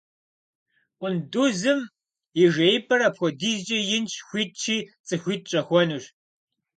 Къундузым и жеипӀэр апхуэдизкӀэ инщ, хуитщи цӀыхуитӀ щӀэхуэнущ.